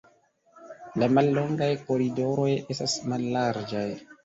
La mallongaj koridoroj estas mallarĝaj.